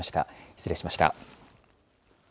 失礼しました。